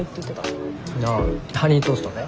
ああハニートーストね。